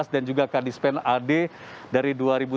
dan juga kadispen ad dari dua ribu tiga belas